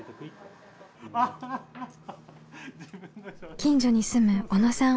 近所に住む小野さん